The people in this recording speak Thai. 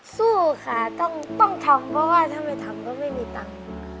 สู้ค่ะต้องทำเพราะว่าถ้าไม่ทำก็ไม่มีตังค์